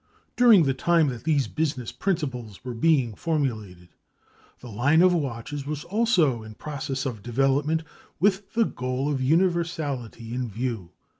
During the time that these business principles were being formulated, the line of watches was also in process of development with the goal of universality in view.